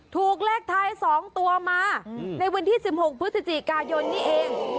ถูกเลขท้าย๒ตัวมาในวันที่๑๖พฤศจิกายนนี่เอง